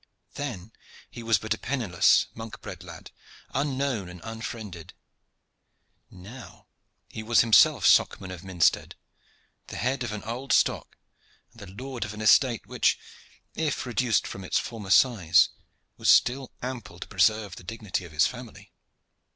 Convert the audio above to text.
Then he was but a penniless, monk bred lad, unknown and unfriended. Now he was himself Socman of Minstead, the head of an old stock, and the lord of an estate which, if reduced from its former size, was still ample to preserve the dignity of his family.